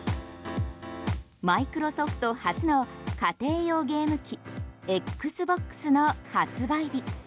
マイクロソフト初の家庭用ゲーム機Ｘｂｏｘの発売日。